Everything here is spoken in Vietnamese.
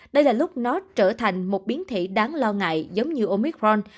đây là lúc nó trở thành một biến thể đáng lo ngại giống như omicron